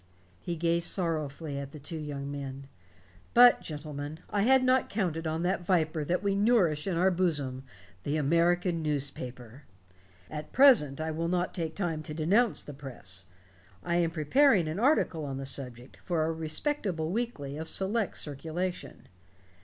He gazed sorrowfully at the two young men. "But, gentlemen, I had not counted on that viper that we nourish in our bosom the American newspaper. At present I will not take time to denounce the press. I am preparing an article on the subject for a respectable weekly of select circulation.